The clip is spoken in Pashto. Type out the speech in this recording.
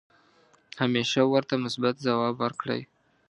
همیشه ورته مثبت ځواب ورکړئ .